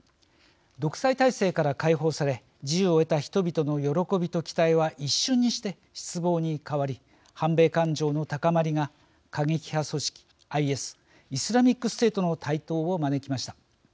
独裁体制から解放され自由を得た人々の喜びと期待は一瞬にして失望に変わり反米感情の高まりが過激派組織ＩＳ＝イスラミックステートの台頭を招きました。